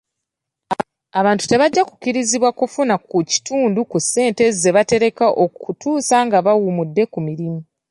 Abantu tebajja kukkirizibwa kufuna kitundu ku ssente ze batereka okutuusa nga bawummudde ku mirimu.